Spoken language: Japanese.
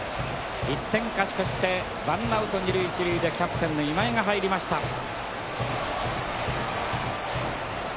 １点勝ち越してワンアウト２塁１塁でキャプテンの今井が入りました。